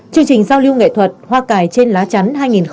chương trình giao lưu nghệ thuật hoa cải trên lá chắn